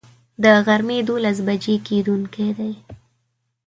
د غرمي دولس بجي کیدونکی دی